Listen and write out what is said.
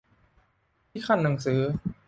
ที่คั่นหนังสือ